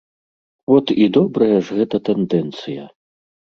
От, і добрая ж гэта тэндэнцыя!